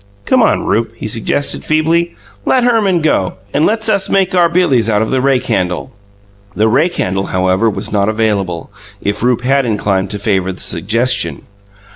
"Come on, Rupe," he suggested, feebly, "let Herman go, and let's us make our billies out of the rake handle." The rake handle, however, was not available, if Rupe had inclined to favour the suggestion.